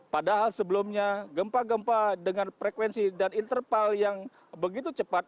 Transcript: padahal sebelumnya gempa gempa dengan frekuensi dan interval yang begitu cepat